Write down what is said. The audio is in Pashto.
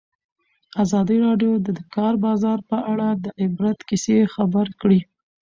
ازادي راډیو د د کار بازار په اړه د عبرت کیسې خبر کړي.